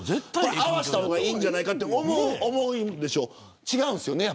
合わせた方がいいんじゃないかと思いますけど違うんですよね。